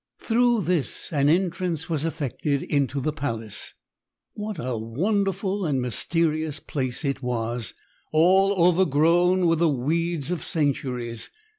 Through this an entrance was effected into the palace. What a wonderful and mysterious place it was, all overgrown with the weeds of centuries!